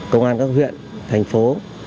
công an các huyện thành phố